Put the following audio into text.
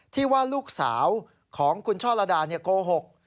ที่ว่าลูกสาวของคุณช่อระดาโกหก